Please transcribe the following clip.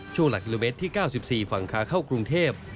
หลักกิโลเมตรที่๙๔ฝั่งขาเข้ากรุงเทพ